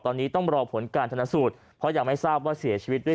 ตอนนี้ต้องรอผลการชนสูตรเพราะยังไม่ทราบว่าเสียชีวิตด้วย